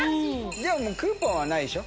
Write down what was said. でもクーポンはないでしょ？